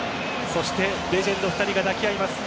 そして、レジェンド２人が抱き合います。